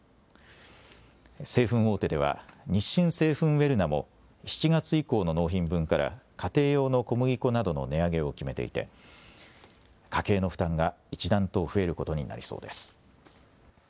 製粉大手では日清製粉ウェルナも７月以降の納品分から家庭用の小麦粉などの値上げを決めていて家計の負担が一段と増えることになりそうです。